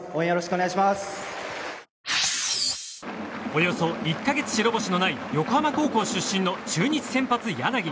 およそ１か月、白星のない横浜高校出身の中日先発、柳。